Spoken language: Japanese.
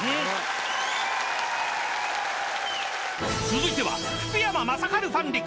［続いては］